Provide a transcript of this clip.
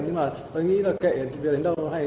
nhưng mà tôi nghĩ là kệ việc đến đâu hay